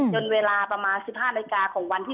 เวลาประมาณ๑๕นาฬิกาของวันที่๑